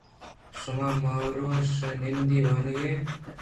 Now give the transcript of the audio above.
شما ماھروش ءِ نمدی ءَ وانگ ءَ اِت ات۔